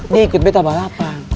dia ikut betta balapan